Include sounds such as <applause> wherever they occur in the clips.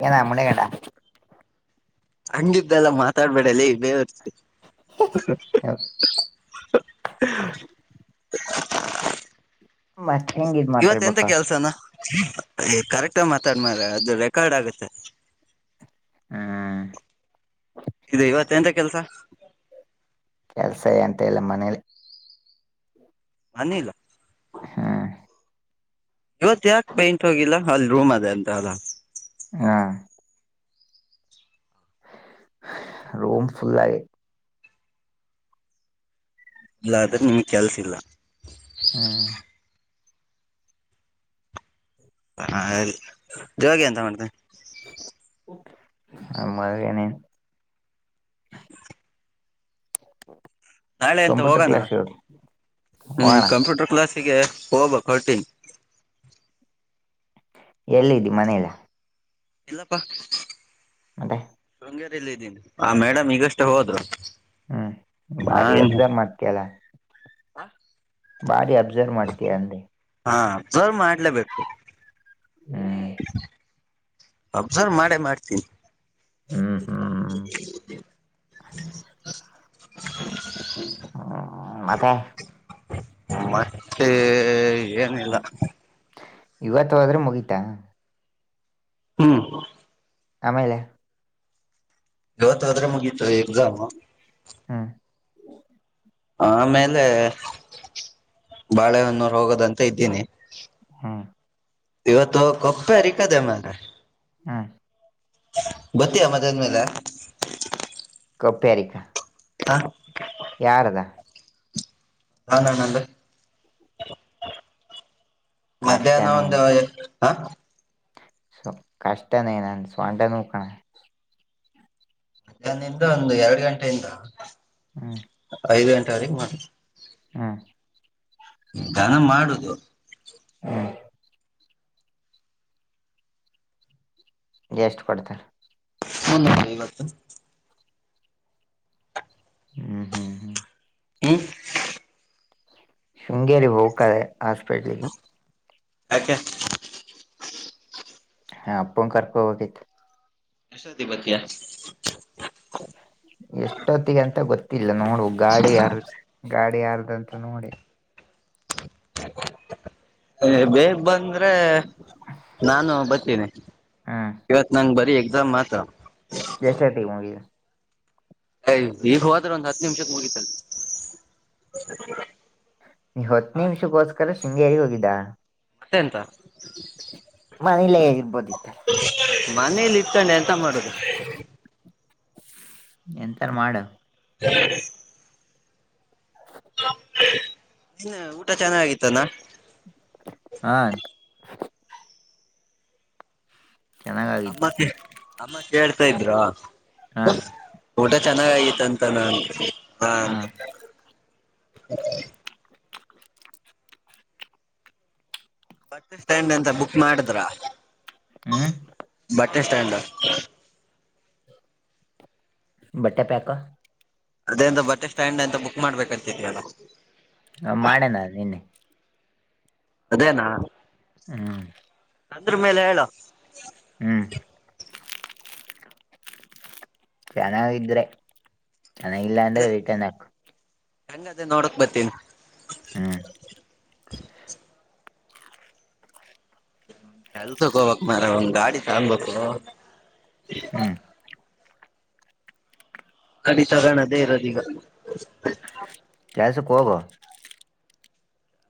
ನಾ ನಮ್ಮಳೆ ಕಟಾ ಹಂಗಿದ್ದಲ್ಲ ಮಾತಾಡ್ಬೇಡಲ್ಲೆ ಬೆ <unintelligible> <unintelligible> ಮತ್ ಹೆಂಗ ಇದ್ ಇವತ್ತ ಎಂತ ಮಾತಾಡ್ಬೇಕ ಕೆಲ್ಸನಾ ಕರೆಕ್ಟಾಗಿ ಮಾತಾಡ್ಮಾರ ಅದು ರೆಕಾರ್ಡ್ ಆಗುತ್ತೆ ಹ್ಮ್ ಇದು ಇವತ್ತ ಎಂತ ಕೆಲ್ಸ ಕೆಲ್ಸ ಅಂತ ಎಲ್ಲ ಮನೇಲಿ ಮನ್ನಿಲ್ಲ ಹಾ ಇವತ್ ಯಾಕ ಪೈಂಟ್ ಹೋಗಿಲ್ಲ ಅಲ್ಲಿ ರೂಮ್ ಅದೆ ಅಂತ ಅಲ್ಲ ಹಾ ರೂಂಪುಲ್ ಲಾಗೆ ಇಲ್ಲ ಆದ್ರೆ ನಿಮ್ ಕೆಲ್ಸ ಇಲ್ಲ <unintelligible> ಹ್ಮ್ ಹಾ ಯವಾಗ ಎಂತ ಮಾಡ್ತೇನೆ ಅಮ್ಮ ನ ಹ್ಮ ನಾಳೆ ಅಂತ ಹೋಗೋಣ <inaudible> ಹ್ಮ್ ಹೋಗೋಣ ಕಂಪ್ಯೂಟರ್ ಕ್ಲಾಸ್ <unintelligible> ಎಲ್ಲಿದ್ದಿ ಮನೆಲ್ಲ ಇಲ್ಲಪ್ಪಾ ಅದೇ ಕೆಂಗೇರಿಲ್ಲಿ ಇದೀನಿ ಆ ಮೇಡಮ್ ಈಗಷ್ಟು ಹೋದ್ರು ಹ್ಮ್ ನಾ ಬಾರಿ ಇನ್ನು ಅಬ್ಸರ್ವ್ ಮಾಡ್ತಿಯಲ್ಲ ಹಾ ಬಾರಿ ಅಬ್ಸರ್ವ್ ಮಾಡ್ತಿಯ ಅಂದೆ ಹಾ ಅಬ್ಸರ್ಬ್ ಮಾಡಲೇಬೇಕು ಹ್ಮ್ ಅಬ್ಸರ್ವ್ ಮಾಡೇ ಮಾಡ್ತೀ ಹ್ಮ್ ಹ್ಮ್ <inaudible> ಹ್ಮ್ ಮತ್ತೆ ಮತ್ತೆ ಏನಿಲ್ಲ ಇವತ್ತು ಹೋದ್ರೆ ಮುಗಿತಾ ಹ್ಮ್ ಆಮೇಲೆ ಇವತ್ತು ಹೋದ್ರೆ ಮುಗಿತ್ ಎಕ್ಸಾಮ್ ಹಾ ಆಮೇಲೆ <inaudible> ಬಾಳೆಹೊನ್ನೂರು ಹೋಗೋದಂತ ಇದ್ದೀನಿ ಹಾ ಇವತ್ತು ಕೊಪ್ಪೆ ಹಾರ್ಕದೆ ಮರೆ ಹ್ಮ್ ಗೊತ್ತಿಯ <unintelligible> ಮೇಲೆ <unintelligible> ಹಾ ಯಾರದಾ <unintelligible> ಮಧ್ಯಾಹ್ನ ಕಷ್ಟನೇನ್ ಒಂದು ಹಾ ಕಷ್ಟನೇ ನನ್ ಸೊಂಡೆ ನೂಕಣ ಮಧ್ಯಾಹ್ನದಿಂದ ಒಂದು ಎರಡು ಗಂಟೆಯಿಂದ ಹ್ಮ್ ಐದು ಗಂಟೆ <unintelligible> ಹಾ <unintelligible> ಮಾಡುದು ಹ್ಮ್ ಎಷ್ಟು ಕೊಡ್ತಾರೆ ಮುನೂರ್ ಐವತ್ತು ಹ್ಮ್ ಹ್ಮ್ ಹ್ಮ್ ಹ್ಮ್ ಶೃಂಗೇರಿ ಹೋಗ್ತದೆೆ ಹಾಸ್ಪಿಟಲ್ಗೆ ಆಕೆ ಹಾ ಅಪ್ಪ ಕರ್ಕೊಂಡು ಹೋಗಿದ್ದೆ ಎಷ್ಟು ಬರ್ತೀಯಾ ಎಷ್ಟೊತ್ತಿಗೆ ಅಂತ ಗೊತ್ತ ಇಲ್ಲ ನೋಡ್ ಗಾಡಿ ಯಾರ ಗಾಡಿ ಯಾರ್ದಂತ ನೋಡಿ ಬೇಗ ಬಂದ ಅ್ರನಾನು ಬರ್ತೀನಿ ಹ್ಮ್ ಇವತ್ತು ನಾನು ಬರ್ತೀನಿ ದ ಮಾತ <inaudible> ಜಸತಿ ಮುೋಗ <inaudible> ಅಯ ಈಗ ಹೋಾದ್ರೆ ಒಂದ್ ಹತ್ತು ನಿಮಿಷತ್ ಮುಗತಲ್ ನೀ ಹೊತ್ತು ನಿಮಿಷಕ್ಕೋಸ್ಕರ ಶೃಂಗೇರಿಗೆ ಹೋಗಿದ್ದ ಮತ್ತೆ ಎಂತ ಮನೇಲ್ಲೇ ಇರ್ಬೋದಿತ್ತ ಮನೇಲಿ ಇಟ್ಟೊಂಡೆ ಎಂತ ಮಾಡುದು ಎಂತಾರ ಮಾಡ ಹ <inaudible> ಇನ್ ಊಟ ಚೆನ್ನಾಗಿದೆ ಹಾ ಅಮ್ಮ ಚೆನ್ನಾಗಾಗಿತ್ತು ಅಮ್ಮಾ ಕೇಳ್ತಾ ಇದ್ರಾ ಹಾ ಗಊಟೆ <inaudible> ಚೆನ್ನಾಗಐತೆಂತ ನನ್ ಹಾ ಹ ಬಸ್ ಸ್ಟ್ಯಾಂಡ್ ಅಂತ ಬುಕ್ ಮಾಡಿದ್ರ ಹ ಅಡ್ಜಸ್ಟ್ ಆದರ ಬಟ್ಟೆ ಪ್ಯಾಕ ಅದೇಂದ ಬಟ್ಟೆ ಸ್ಟ್ಯಾಂಡ್ ಅಂತ ಬುಕ್ ಮಾಡ್ಬೇಕತಿದ ಅಲ್ಲ ಹ ಮಾಡೇಣ ನಿನ್ನೆ ಅದೇನಾ ಹ್ಮ್ ಅಂದ್ರ ಮೇಲೆ ಹೇಳ ಹ್ಮ್ ಚೆನ್ನಾಗಿದ್ರೆ ಅನ ಇಲ್ಲಾಂದ ರಟಂದು ಹಂಗ ಅದೇ ನೋಡಕ್ ಬರ್ತೀನಿ ಹ್ಮ್ ಕೆಲ್ಸಕ್ ಹೋಗ್ಕ್ ಮಾರೆ ಒಂದ್ ಗಾಡಿ ತಂದ್ಬೇಕು ಹ್ಮ್ ಗಾಡಿತಗನದ ಅದೆ ಇರೋದೀಗ ಕೆಲ್ಸಕ್ ಹೋಗೊ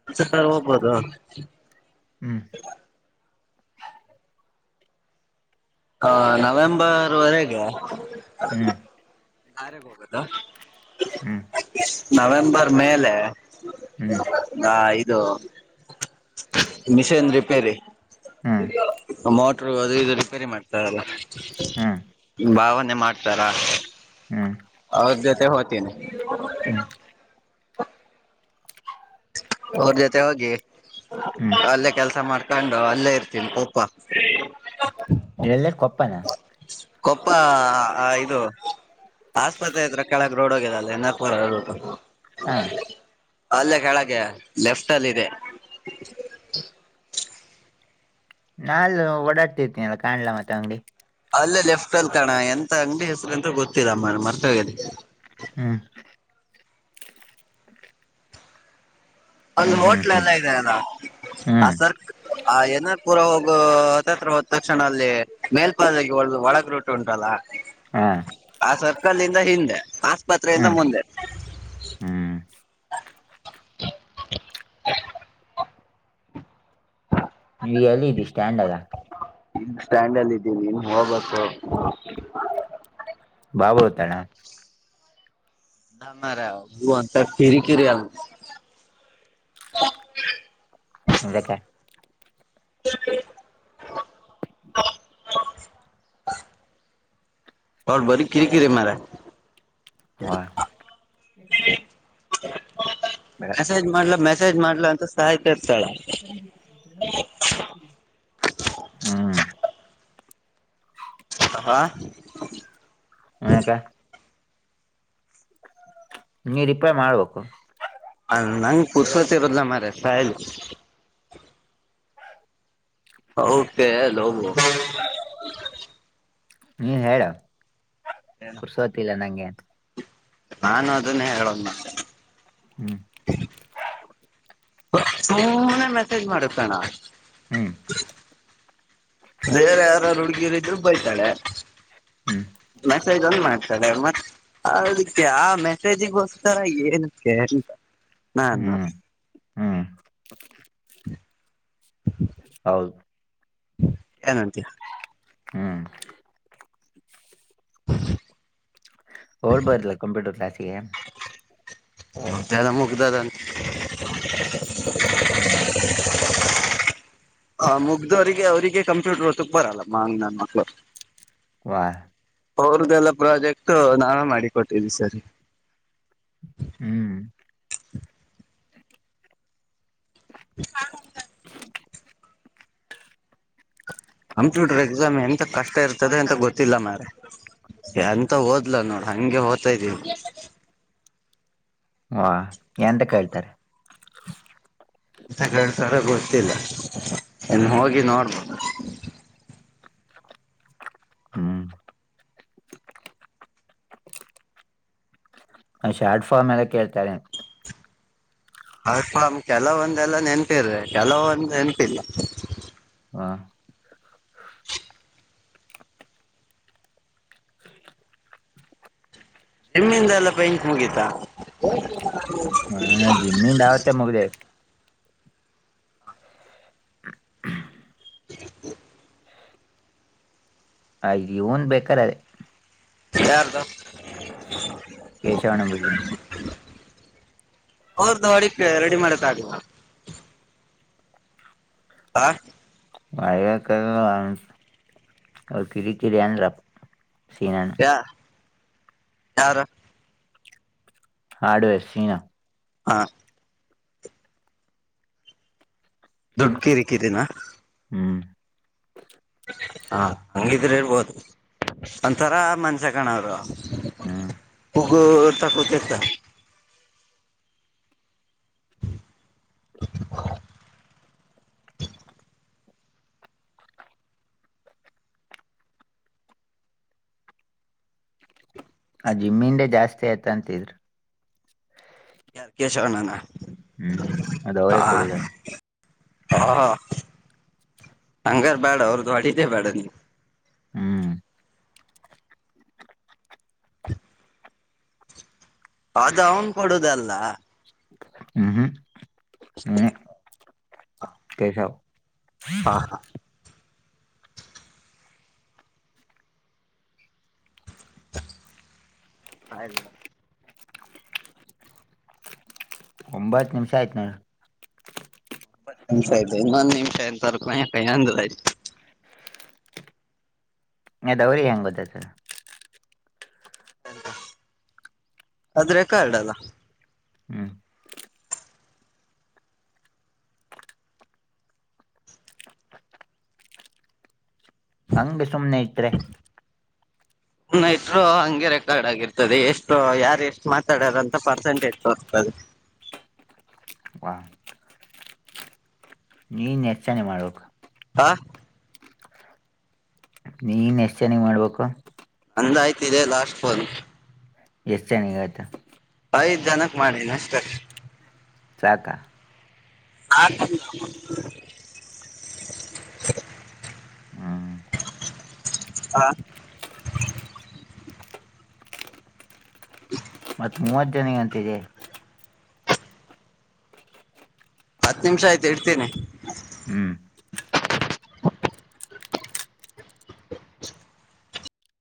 ಕೆಲ್ಸಕರ ಹೋಗ್ಬೋದು ಹ್ಮ್ ಹ ನವೆಂಬರ್ ವರೆಗೆ ಹ್ಮ್ ಆರೇಗ ಹೋಗದಾ ಹ್ಮ್ ನವೆಂಬರ್ ಮೇಲೆ ಹ್ಮ್ ಹಾ ಇದು ಮಿಷನ್ ರಿಪೇರಿ ಹ್ಮ್ ಮೊ ಮೊಟ್ರು ಅದು ಇದು ರಿಪೇರಿ ಮಾಡ್ತಾರಲ್ಲ ಹ್ಮ್ ಭಾವನೆ ಮಾಡ್ತಾರೆ ಹಾ ಹ್ಮ್ ಅವ್ರ ಜೊತೆ ಹೋತಿನಿ ಹ್ಮ್ ಅವರ್ ಜೊತೆ ಹೋಗಿ ಹ್ಮ್ ಅಲ್ಲೇ ಕೆಲ್ಸ ಮಾಡ್ತ ಕಂಡು ಅಲ್ಲೇ ಇರ್ತೀನಿ ಕೂಪ್ಪ ಎಲ್ಲಿ ಕೊಪ್ಪನಾ ಕೊಪ್ಪ ಅ ಇದು ಆಸ್ಪತ್ರೆ ಹತ್ರ ಕೆಳಗ ರೋಡ್ ಹೋಗ್ಯದಲ್ಲ ಎನ್ ಆರ್ ಪುರ ರೋಡ್ ಹ <unintelligible> ಅಲ್ಲೇ ಕೆಳಗೆ ಲೆಫ್ಟ್ ಅಲ್ಲಿ ಇದೆ ನಾನು ಓಡಾಡ್ತಿರ್ತೀನಲ್ಲ ಕಾಣ್ಲ ಮತ್ತೆ ಅಂಗ್ಡಿ ಅಲ್ಲೇ ಲೆಫ್ಟ್ ಅಲ್ಲಿ ಕಣ ಎಂತ ಅಂಗಡಿ ಹೆಸ್ರು ಅಂತ ಗೊತ್ತಿಲ್ಲ ಮ್ಮ ಮರ್ತ ಹೋಗ್ಯದ ಹ್ಮ ಅಲ್ಲಿ ಹ್ಮ್ ಹ್ಮ್ ಹೋಟ್ಲ್ ಹ್ಮ್ ಎಲ್ಲ ಇದೆ ಅಲ್ಲ ಆ ಹ್ಮ್ ಸರ್ ಆ ಯಏನ ಪುರ ಹೋಗುವ ಹತ್ರ ಹೋದ ತಕ್ಷಣ ಅಲ್ಲಿ ಮೇಲ್ಪಾಲಕ್ಕೆ <unintelligible> ಒಳಗ ರುಟ್ ಉಂಟಲ್ಲ ಹಾ ಆ ಸರ್ಕಲ್ ಇಂದ ಹಿಂದೆ ಹಾಸ್ಪತ್ರೆಯಿಂದ ಮುಂದೆ ಹ್ಮ್ ನೀಗ ಎಲ್ಲಿ ಇದ್ದಿ ಸ್ಟ್ಯಾಂಡ್ ಅಲ್ಲ ಈಗ ಸ್ಟ್ಯಾಂಡ್ ಅಲ್ಲ ಇದ್ದೀನಿ ಹೋಗಬೇಕು ಯಾವಾಗ ಬರುತನ್ನ ನಂಗಾರ ಹ ಅಂತ ಕಿರಿ ಕರಿ ಅಲ್ಲ ಅದಕ್ಕೆ <inaudible> ಅವಳು ಬರಿ ಕಿರಿಕಿರಿ ಮಾರಯ್ಯ ಹಾ ಮೆಸೇಜ್ ಮಾಡ್ಲ ಮೆಸೇಜ್ ಮಾಡ್ಲ ಅಂತ ಸಾಯ್ತಾಇರ್ತಾಳೆ ಹ್ಮ ಹ ಹ್ಮ ಹ್ಮ ಹಾ ಯಾಕ ನೀ ರೆಪ್ಲೆ ಮಾಡ್ಬೇಕು ನಂಗ್ ಪುರ್ಷತಿ ಇರೋದಿಲ್ಲ ಮಾರಾಯ್ ಸಾಯಲ್ ಲವ್ ನೀನ್ ಹೇಳ ಪುರ್ಸೊತಿಲ್ಲ ನಂಗೆ <unintelligible> ನಾನು ಅದನ್ನ ಹೇಳೋದೋ ಹ್ಮ್ ಸುಮ್ನೆ ಮೆಸೇಜ್ ಮಾಡುತ್ತಣ್ಣ ಹ್ಮ್ ಬೇರೆ ಯಾರಾರು ಹುಡ್ಗಿರ ಇದರು ಬಯ್ತಾಳೆ ಹ್ಮ್ ಮೆಸೇಜ್ ಒಂದು ಮತ್ತ ಅದಕ್ಕೆ ಆ ಮೆಸೇಜಿಗೋಸ್ಕರ ಏನಕ್ಕೆ ಅಂತ ನಾನು ಹ್ಮ್ ಹ್ಮ್ ಹೌದು ಏನಂತೀಯಾ ಹ್ಮ್ ಹೋಗ್ಬರ್ಲಾ ಕಂಪ್ಯೂಟರ್ ಕ್ಲಾಸಿಗೆ ಎಲ್ಲಾ ಮುಗ್ದದ <unintelligible> ಹ ಮುಗ್ದವರಿಗೆ ಅವ್ರರಿಗೆ ಕಂಪ್ಯೂಟರ್ ಹೊತ್ತಕ್ ಬರಲ್ಲ ಮಾಂಗ ನನ್ ಮಕ್ಳ ವಾಹ್ ಅವ್ರ್ದಲ್ಲ ಪ್ರಾಜೆಕ್ಟ್ ನಾನು ಮಾಡಿಕ ಕೊಟ್ಟಿದ್ದೀ ಸರಿ ಹ್ಮ್ <inaudible> ಕಂಪ್ಯೂಟರ್ ಎಕ್ಸಾಮ್ ಎಂತ ಕಷ್ಟ ಇರ್ತದೆ ಎಂತ ಗೊತ್ತಿಲ್ಲ ಮ್ರ ಎಂತ ಓದ್ಲ ನೋಡ ಹಂಗೆ ಹೋಗದ್ತಾ ಇದ್ದೀ ವಾ ಎಂತ ಕೇಳ್ತಾರೆ ಸರ ಗೊತ್ತಿಲ್ಲ ಇನ್ ಹೋಗಿ ನೋಡ್ಬದು ಹ್ಮ್ ಶಾರ್ಟ್ ಫಾರ್ಮ್ ಎಲ್ಲ ಕೇಳ್ತಾರೆ ಅ ಕೆಲವೊಂದ ಎಲ್ಲ ನೆನ್ಪಿ ಇರ್ರೆ ಕೆಲವೊಂದು ನೆನ್ಪಿಲ್ಲ ಹಾ <unintelligible> ಹೆಮ್ಮಿಂದ ಎಲ್ಲ ಪೈಂಕ ಮುಗೀತ ಹ ಜಿಮ್ಮಿಂಡಾಗತ್ತೆ ಮುಗದೆ <unintelligible> ಇ ಹ ಇವನ್ ಬೇಕಾರ ಅದೇ ಯಾರದ ಕೆಶವಣ ಬಿಲ್ಡಿಂಗ್ ಅವ್ರ್ದ ಹೊಡಕ್ ರೆಡಿ ಮಾಡತ್ ಆಗಿಲ್ಲ ಹಾ ಮಳ ಅವ ಕಿರಿ ಕಿರಿನ್ ಸೀನಾನ ಯರು ಹಾರ್ಡ್ ವೇರ್ ಸಿನಾ ಹಾ ದುಡ್ಡು ಕಿರಿ ಕೀರಿನಾ ಹ್ಮ ಹಾ ಹಂಗಿದ್ರೆ ಹೇಳ್ಬೋದು ಒಂಥರ ಮನ್ಸಕಣ ಅವರು ಹ್ಮ್ <unintelligible> ಆ ಜಿಮ್ಮಿಂದೇ ಜಾಸ್ತಿ ಆಯ್ತ ಅಂತಿದ್ರಿ ಯಾರು ಕೇಶವಣಾನ ಹ್ಮ್ ಅದು ಅವರೇ ಕೊಡುದಲ್ಲ ಹ ಹಂಗರ್ ಬ್ಯಾಡ ಅವ್ರದ್ದು ಅಡಿದ್ದೇ ಬೇಡ ನೀ ಹ್ಮ್ ಅದು ಅವನ್ ಕೊಡುದಲ್ಲ ಹ್ಮ್ ಹ್ಮ್ ಹ್ಮ ಕಸ ಹಾ ಆಯಲ್ಲ ಒಂಬತ್ತು ನಿಮಿಷ ಆಯ್ತು ನ ಪ್ಪತ್ತು ನಿಮಿಷ ಆಯ್ ಇನ್ನಂದ್ ನಿಮಿಷ ಎಂತಪ ಯಕ ಅಂದಯ್ತು ನ ದೌರಿ ಹೆಂಗ್ ಬರ್ತ್ ಅ ಆದ ರೆಕಾರ್ಡ್ ಅಲ್ಲ ಹ್ಮ ಹಗೆ ಸುಮ್ನೆ ಇಟ್ರೆ ನೈಟ್ರು ಹಂಗೆ ರೆಕಾರ್ಡ್ ಆಗಿರ್ತದೆ ಎಷ್ಟು ಯಾರು ಎಷ್ಟು ಮಾತಾಡಾರ ಅಂತ ಪರ್ಸೆಂಟೇಜ್ ತೋರಿಸತದೆ ವಾ ನೀನ್ ಹೆಚ್ಚನೆೆ ಮಾಡಕ್ ಆ ನೀನ್ ಎಷ್ಟ್ ಚೆನ್ನಾಗ ಮಾಡ್ಬೇಕು ನಂದ ಆಯ್ತದೆ ಇದೆ ಲಾಸ್ಟ್ ಫೋನ್ ಎಷ್ಟ ಚೆನ್ನಗ ಆಯ್ತಾ ಐದು ಜನಕ್ ಮಾಡಿನ್ ಅಷ್ಟರ್ ಸಾಕಾ ಹ ಹ್ಮ ಹ <inaudible> ಮತ್ತ್ ಮೂವತ್ ಜನ ಅಂತಿದೆ ಹತ್ತು ನಿಮಿಷ ಆಯ್ತು ಇಡ್ತೀನಿ ಹ್ಮ್